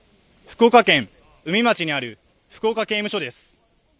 福岡県宇美町にある福岡刑務所です。